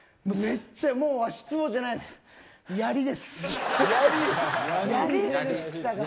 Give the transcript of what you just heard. もう足ツボじゃないですやりです。